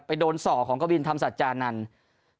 ไปโดนส่อของก้าวบินธรรมศาสตร์จานันท์